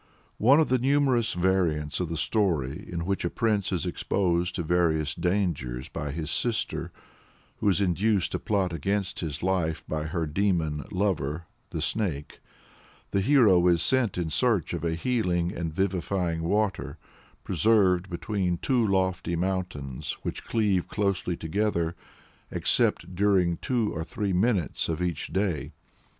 In one of the numerous variants of the story in which a prince is exposed to various dangers by his sister who is induced to plot against his life by her demon lover, the Snake the hero is sent in search of "a healing and a vivifying water," preserved between two lofty mountains which cleave closely together, except during "two or three minutes" of each day.